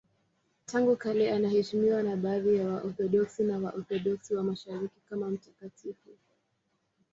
Tangu kale anaheshimiwa na baadhi ya Waorthodoksi na Waorthodoksi wa Mashariki kama mtakatifu.